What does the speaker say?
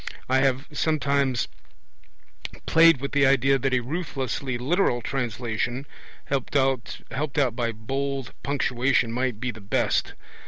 I have sometimes played with the idea that a ruthlessly literal translation, helped out by bold punctuation, might be the best.